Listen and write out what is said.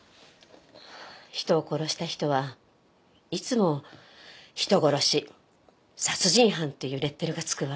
人を殺した人はいつも人殺し殺人犯っていうレッテルが付くわ。